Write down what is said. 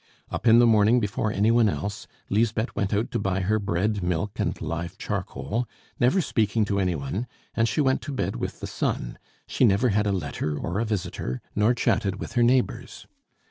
Up in the morning before any one else, Lisbeth went out to buy her bread, milk, and live charcoal, never speaking to any one, and she went to bed with the sun; she never had a letter or a visitor, nor chatted with her neighbors.